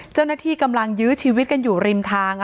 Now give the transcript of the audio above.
เจ้าหน้าที่กำลังยื้อชีวิตกันอยู่ริมทาง